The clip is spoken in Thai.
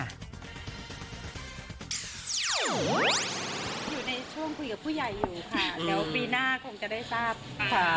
อยู่ในช่วงคุยกับผู้ใหญ่อยู่ค่ะเดี๋ยวปีหน้าคงจะได้ทราบค่ะ